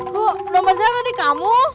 kok dompet saya tadi kamu